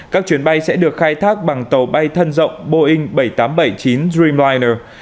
các chuyến bay sẽ được khai thác bằng tàu bay thân rộng boeing bảy trăm tám mươi bảy chín dreamliner